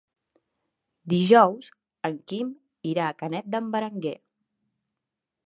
Dijous en Quim irà a Canet d'en Berenguer.